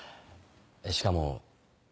しかも。